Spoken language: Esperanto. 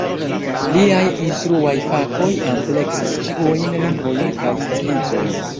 Liaj instruaj fakoj ampleksis ĉiujn lingvojn kaj sciencojn.